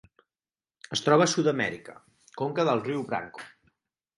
Es troba a Sud-amèrica: conca del riu Branco.